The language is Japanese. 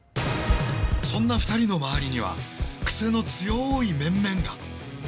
そんな２人の周りにはクセの強い面々が！